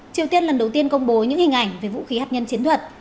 triều tiên lần đầu tiên công bố những hình ảnh về vũ khí hạt nhân chiến thuật